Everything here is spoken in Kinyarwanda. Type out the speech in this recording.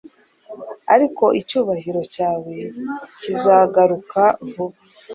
Ariko icyubahiro cyawe kizagaruka vuba